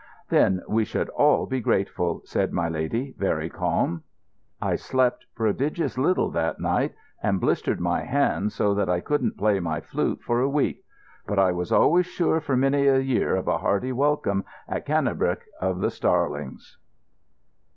"Then we should all be grateful," said my lady, very calm. I slept prodigious little that night, and blistered my hands so that I couldn't play my flute for a week; but I was always sure for many a year of a hearty welcome at Cannebrake of the Starlings.